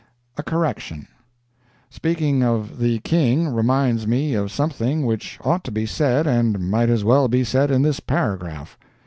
A CORRECTION Speaking of the King reminds me of something which ought to be said and might as well be said in this paragraph.